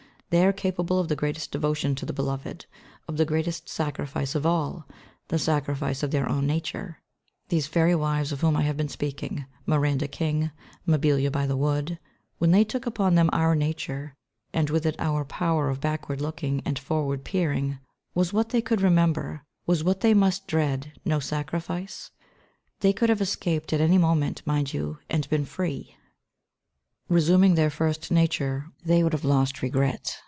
They are capable of the greatest devotion to the beloved, of the greatest sacrifice of all the sacrifice of their own nature. These fairy wives of whom I have been speaking Miranda King, Mabilla By the Wood when they took upon them our nature, and with it our power of backward looking and forward peering, was what they could remember, was what they must dread, no sacrifice? They could have escaped at any moment, mind you, and been free. Resuming their first nature they would have lost regret.